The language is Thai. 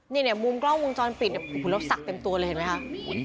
นี่เนี่ยมุมกล้องมุมจรปิดเราสักเต็มตัวเลยเห็นไหมค่ะ